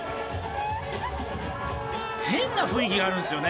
変な雰囲気があるんですよね。